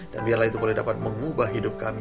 dan biarlah itu boleh dapat mengubah hidup kami